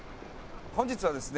本日はですね